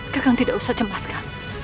kakang tidak usah cemaska